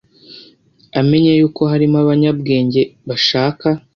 amenye yuko harimo abanyabwenge bashaka